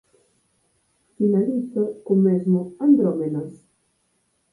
Finalizo co mesmo ¿andrómenas?